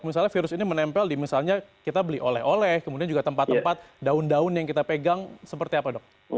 misalnya virus ini menempel di misalnya kita beli oleh oleh kemudian juga tempat tempat daun daun yang kita pegang seperti apa dok